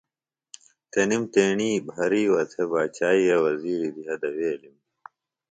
تنم تیݨی بھرِیوہ تھےۡ باچائی ئیے وزِیری دھیہ دویلم